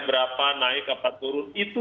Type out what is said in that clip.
berapa naik apa turun itu